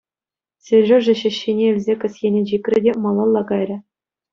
Сережа ҫӗҫҫине илсе кӗсьене чикрӗ те малалла кайрӗ.